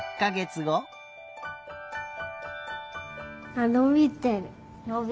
あっのびてる。